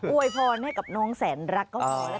โวยพรให้กับน้องแสนรักเขา